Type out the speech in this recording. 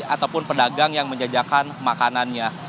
ataupun pedagang yang menjajakan makanannya